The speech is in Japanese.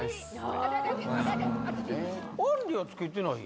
あんりはつけてないやん。